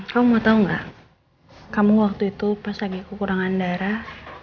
kamu mau tahu nggak kamu waktu itu pas lagi kekurangan darah